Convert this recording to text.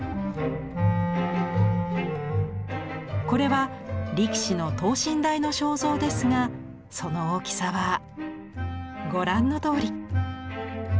これは力士の等身大の肖像ですがその大きさはご覧のとおり。